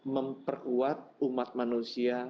memperkuat umat manusia